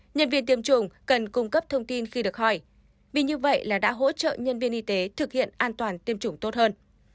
nhân viên tiêm chủng cần cung cấp thông tin khi được hỏi vì như vậy là đã hỗ trợ nhân viên y tế thực hiện an toàn tiêm chủng tốt hơn